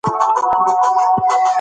یو بل زغمئ.